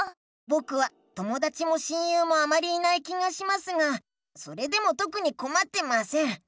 ぼくはともだちも親友もあまりいない気がしますがそれでもとくにこまってません。